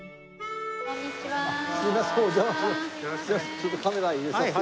ちょっとカメラ入れさせて。